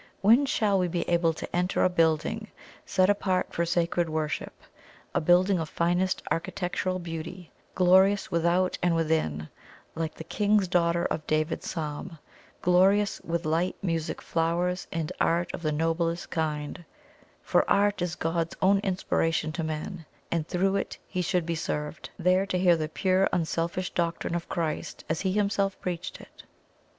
When shall we be able to enter a building set apart for sacred worship a building of finest architectural beauty, "glorious without and within," like the "King's Daughter" of David's psalm glorious with, light, music, flowers, and art of the noblest kind (for Art is God's own inspiration to men, and through it He should be served), there to hear the pure, unselfish doctrine of Christ as He Himself preached it?